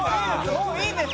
もういいです。